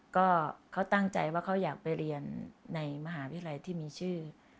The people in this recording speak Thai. ก็เขาตั้งใจว่าเขาอยากไปเรียนในมหาวิทยาลัยที่มีชื่อ